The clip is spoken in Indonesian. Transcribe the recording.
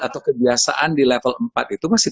atau kebiasaan di level empat itu masih